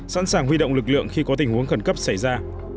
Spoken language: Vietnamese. sẵn sàng huy động lực lượng khi có tình huống khẩn cấp xảy ra